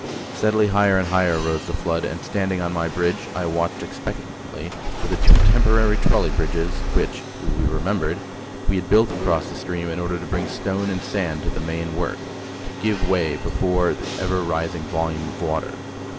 Steadily higher and higher rose the flood, and standing on my bridge, I watched expectantly for the two temporary trolley bridges which, it will be remembered, we had built across the stream in order to bring stone and sand to the main work to give way before the ever rising volume of water.